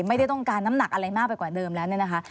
ไม่ได้ต้องการน้ำหนักอะไรมากไปกว่าเดิมแล้วเนี่ยนะคะ